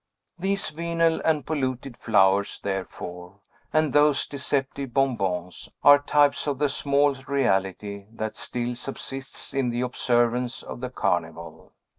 These venal and polluted flowers, therefore, and those deceptive bonbons, are types of the small reality that still subsists in the observance of the Carnival.